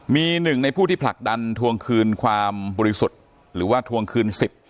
มีหนึ่งในผู้ที่ผลักดันทวงคืนความบริสุทธิ์หรือว่าทวงคืนสิทธิ์